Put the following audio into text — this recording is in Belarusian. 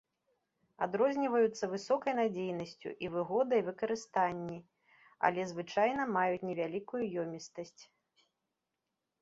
Адрозніваюцца высокай надзейнасцю і выгодай выкарыстанні, але звычайна маюць невялікую ёмістасць.